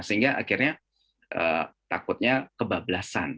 sehingga akhirnya takutnya kebablasan